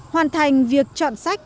hoàn thành việc chọn sách